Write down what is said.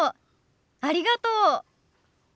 ありがとう。